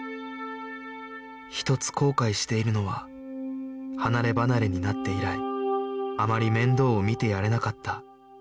一つ後悔しているのは離ればなれになって以来あまり面倒を見てやれなかった弟の事